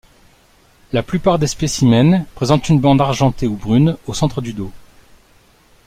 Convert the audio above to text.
La plupart des spécimens présente une bande argentée ou brune au centre du dos.